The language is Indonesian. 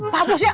pak bos ya